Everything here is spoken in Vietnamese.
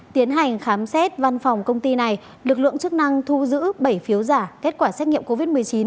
tiến hành khám xét văn phòng công ty này lực lượng chức năng thu giữ bảy phiếu giả kết quả xét nghiệm covid một mươi chín